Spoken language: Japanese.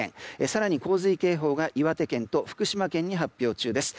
更に洪水警報が岩手県と福島県に発表中です。